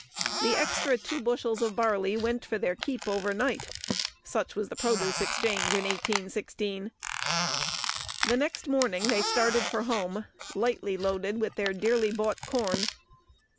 The extra two bushels of barley went for their keep overnight. Such was produce exchange in 1816. The next morning they started for home, lightly loaded with their dearly bought corn.